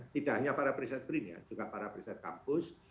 tidak hanya para periset brin ya juga para periset kampus